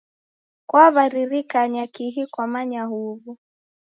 Kwaw'aririkanya kihi kwanyama huw'u?